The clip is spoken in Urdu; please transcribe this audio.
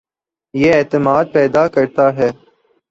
یہ اعتماد پیدا کرتا ہے